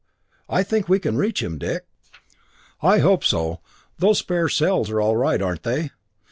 I think we can reach him, Dick!" "I hope so. Those spare cells are all right, aren't they?